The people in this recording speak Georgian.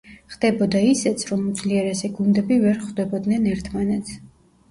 ხდებოდა ისეც, რომ უძლიერესი გუნდები ვერ ხვდებოდნენ ერთმანეთს.